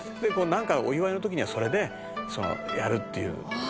「なんかお祝いの時にはそれでやるっていう」